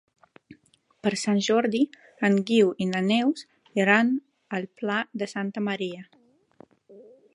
Per Sant Jordi en Guiu i na Neus iran al Pla de Santa Maria.